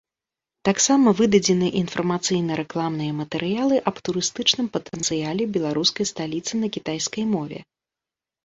Таксама выдадзены інфармацыйна-рэкламныя матэрыялы аб турыстычным патэнцыяле беларускай сталіцы на кітайскай мове.